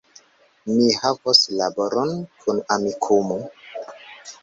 Vi havos laboron kun Amikumu